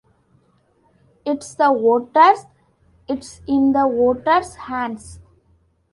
It's the voters, it's in the voters' hands.